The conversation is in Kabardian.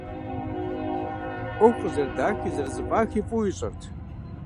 Ӏуэху къызэрыдахи зэрызэфӀахи фӀыуэ ищӀэрт.